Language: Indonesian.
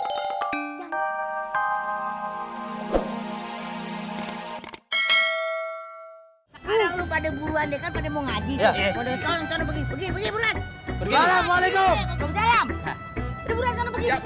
kalau pada bulan dekat pada mau ngaji